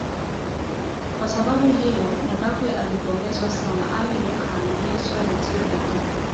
Kwa sababu hiyo, Nabakwe alipongezwa sana ami nikaimizwa nitie bidii